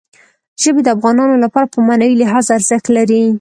ژبې د افغانانو لپاره په معنوي لحاظ ارزښت لري.